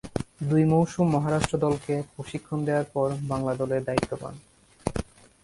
দুই মৌসুম মহারাষ্ট্র দলকে প্রশিক্ষণ দেয়ার পর বাংলা দলের দায়িত্ব পান।